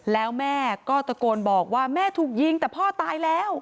แล้วแม่ก็ตะโกนบอกว่าแม่ถูกยิงแต่พ่อตายแล้ว